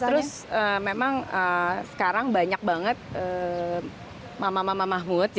terus memang sekarang banyak banget mamah mamah mahmud